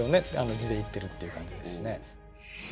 地でいってるっていう感じですしね。